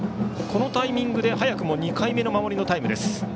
このタイミングで早くも２回目の守りのタイムです。